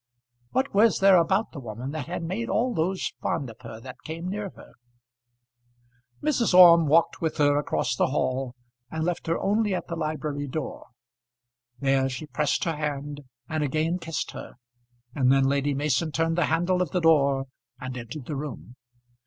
What was there about the woman that had made all those fond of her that came near her? Mrs. Orme walked with her across the hall, and left her only at the library door. There she pressed her hand and again kissed her, and then Lady Mason turned the handle of the door and entered the room.